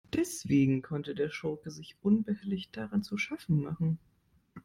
Deswegen konnte der Schurke sich unbehelligt daran zu schaffen machen.